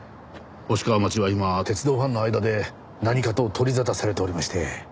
星川町は今鉄道ファンの間で何かと取り沙汰されておりまして。